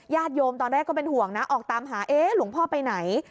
โยมตอนแรกก็เป็นห่วงนะออกตามหาเอ๊ะหลวงพ่อไปไหน